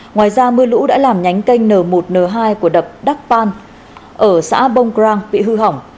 ngoài ra mưa lũ đã làm nhánh cây n một n hai của đập đắk pan ở xã bông crang bị hư hỏng